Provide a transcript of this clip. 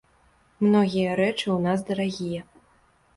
Многія рэчы ў нас дарагія.